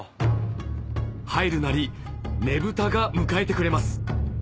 入るなりねぶたが迎えてくれます